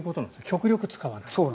極力使わない。